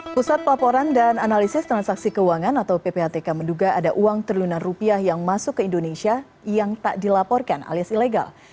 pusat pelaporan dan analisis transaksi keuangan atau ppatk menduga ada uang triliunan rupiah yang masuk ke indonesia yang tak dilaporkan alias ilegal